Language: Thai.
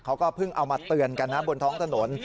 เขาก็เพิ่งเอามาเตือนกันนะบนท้องถนน